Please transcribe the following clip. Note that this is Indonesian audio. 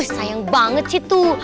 sayang banget sih tuh